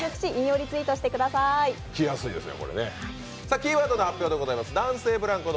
キーワードの発表でございます。